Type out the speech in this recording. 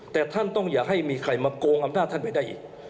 แต่ท่านต้องอย่าให้มีใครมาโกงอำนาจท่านไปได้อีก